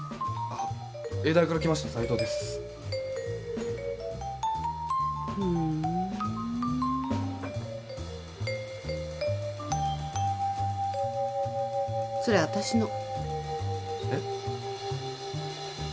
永大から来ました斉藤ですふんそれ私のえッ？